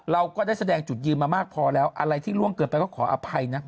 เราก็ได้แสดงจุดยืนมามากพอแล้วอะไรที่ล่วงเกินไปก็ขออภัยนะ